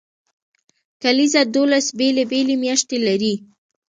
کلیزه دولس بیلې بیلې میاشتې لري.